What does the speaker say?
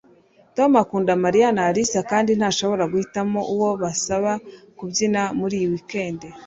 Tom akunda Mariya na Alice kandi ntashobora guhitamo uwo basaba kubyina muri iyi weekend